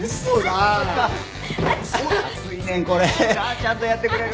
ちゃんとやってくれる。